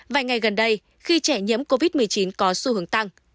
vài ngày gần đây khi trẻ nhiễm covid một mươi chín có xu hướng tăng